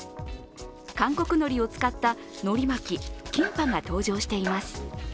韓国のりを使ったのり巻きキンパが登場しています。